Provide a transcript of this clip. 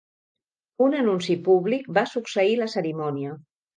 Un anunci públic va succeir la cerimònia.